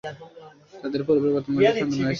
তাদের পরিবারে বর্তমানে একটি সন্তান রয়েছে।